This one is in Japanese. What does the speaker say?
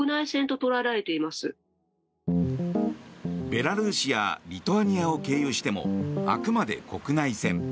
ベラルーシやリトアニアを経由してもあくまで国内線。